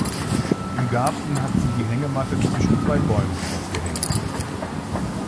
Im Garten hat sie die Hängematte zwischen zwei Bäumen aufgehängt.